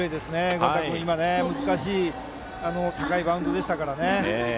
権田君は難しい高いバウンドでしたからね。